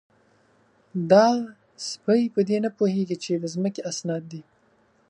_دا سپۍ په دې نه پوهېږي چې د ځمکې اسناد دي؟